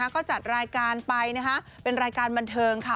ก็จัดรายการไปเป็นรายการบันเทิงค่ะ